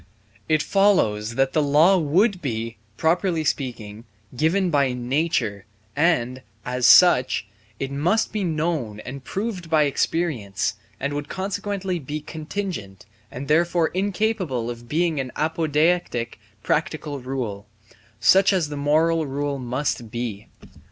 It follows that the law would be, properly speaking, given by nature, and, as such, it must be known and proved by experience and would consequently be contingent and therefore incapable of being an apodeictic practical rule, such as the moral rule must be.